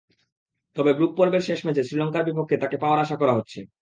তবে গ্রুপ পর্বের শেষ ম্যাচে শ্রীলঙ্কার বিপক্ষে তাঁকে পাওয়ার আশা করা হচ্ছে।